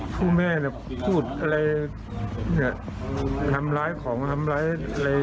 ผู้แม่เนี่ยพูดอะไรเนี่ยทำร้ายของทำร้ายอะไรแล้วก็